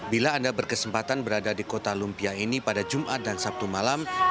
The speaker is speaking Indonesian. bila anda berkesempatan berada di kota lumpia ini pada jumat dan sabtu malam